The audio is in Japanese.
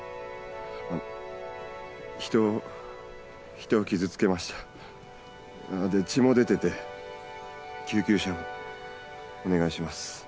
あの人を人を傷つけましたで血も出てて救急車もお願いします